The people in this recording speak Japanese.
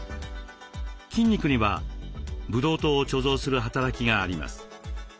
筋肉にはブドウ糖を貯蔵する働きがあります。